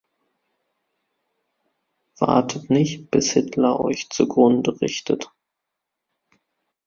Wartet nicht, bis Hitler Euch zugrunde richtet!